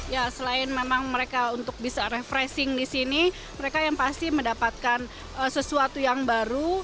ya selain memang mereka untuk bisa refreshing di sini mereka yang pasti mendapatkan sesuatu yang baru